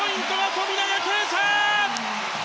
富永啓生！